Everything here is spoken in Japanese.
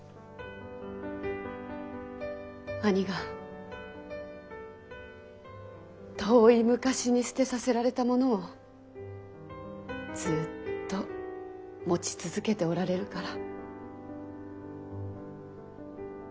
・兄が遠い昔に捨てさせられたものをずっと持ち続けておられるから。